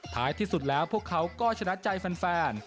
ท้ายที่สุดแล้วพวกเขาก็ชนะใจแฟน